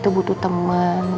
sudah semakin membaik